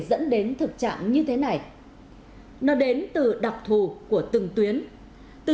cảm ơn các bạn đã theo dõi